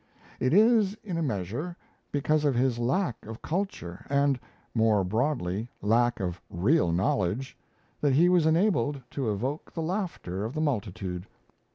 It is, in a measure, because of his lack of culture and, more broadly, lack of real knowledge, that he was enabled to evoke the laughter of the multitude.